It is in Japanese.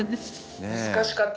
うん難しかった。